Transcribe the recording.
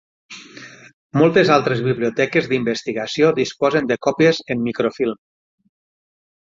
Moltes altres biblioteques d'investigació disposen de còpies en microfilm.